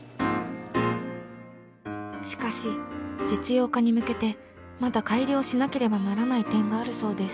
しかし実用化に向けてまだ改良しなければならない点があるそうです。